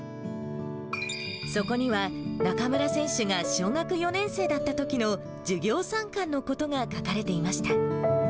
そこには、中村選手が小学４年生だったときの授業参観のことが書かれていました。